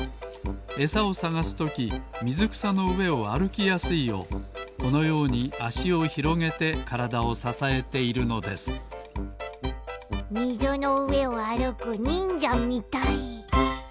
エサをさがすときみずくさのうえをあるきやすいようこのようにあしをひろげてからだをささえているのですみずのうえをあるくにんじゃみたい。